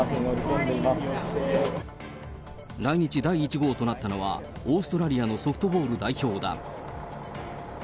来日第１号となったのは、オーストラリアのソフトボール代表だ。